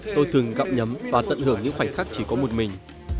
tôi thường gặp nhấm và tận hưởng những khoảnh khắc chỉ có một mình